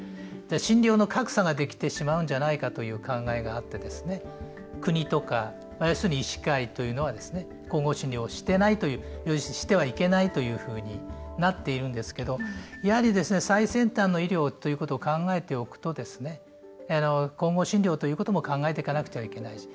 診療の格差ができてしまうんじゃないかという考えがあって国とか要するに医師会というのは混合診療をしてないというしてはいけないというふうになっているんですけどやはり最先端の医療ということを考えておくと混合診療ということも考えていかなくてはいけないし。